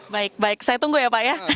baik baik saya tunggu ya pak ya